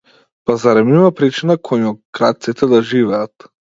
Па зарем има причина коњокрадците да живеат?